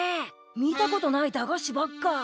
見たことない駄菓子ばっか。